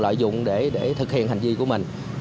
lợi dụng để thực hiện hành vi của mình